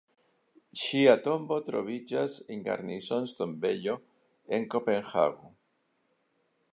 Ŝia tombo troviĝas en Garnisons-Tombejo, en Kopenhago.